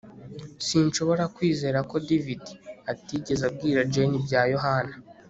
Sinshobora kwizera ko David atigeze abwira Jane ibya Yohana